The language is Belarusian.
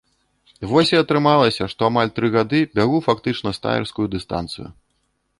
Вось і атрымалася, што амаль тры гады бягу фактычна стаерскую дыстанцыю.